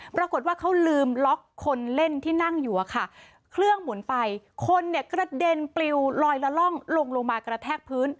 ปรากฏว่าเขาลืมล็อกคนเล่นที่นั่งอยู่อะค่ะเครื่องหมุนไปคนเนี่ยกระเด็นปลิวลอยละล่องลงลงมากระแทกพื้น